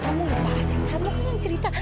kamu lupa aja kamu kan yang cerita